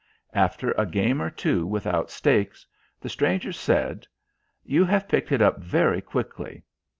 After a game or two without stakes, the stranger said: "You have picked it up very quickly.